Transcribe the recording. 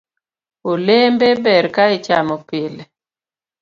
Olembe ber ka ichamo pile